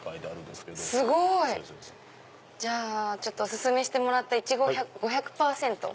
すごい！じゃあお薦めしてもらった「いちご５００％」。